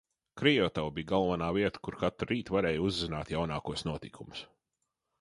Krejotava bija galvenā vieta, kur katru rītu varēja uzzināt jaunākos notikumus.